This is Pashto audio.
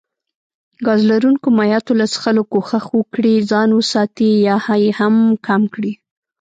ګاز لرونکو مايعاتو له څښلو کوښښ وکړي ځان وساتي يا يي هم کم کړي